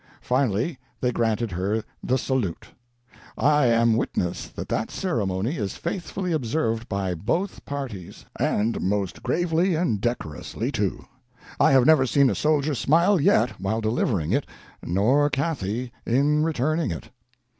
Finally, they granted her the salute. I am witness that that ceremony is faithfully observed by both parties—and most gravely and decorously, too. I have never seen a soldier smile yet, while delivering it, nor Cathy in returning it.